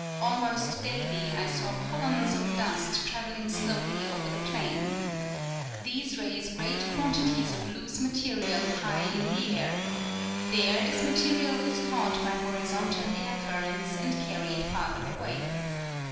Almost daily I saw columns of dust traveling slowly over the plain. These raise great quantities of loose material high in the air ; there this material is caught by horizontal air currents and carried farther away.